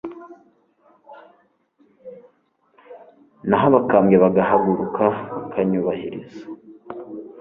naho abakambwe bagahaguruka banyubahiriza